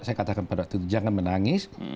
saya katakan pada waktu itu jangan menangis